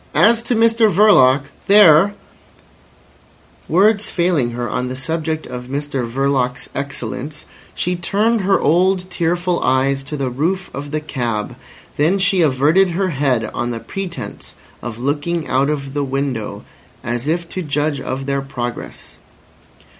As to Mr Verloc—there—" Words failing her on the subject of Mr Verloc's excellence, she turned her old tearful eyes to the roof of the cab. Then she averted her head on the pretence of looking out of the window, as if to judge of their progress.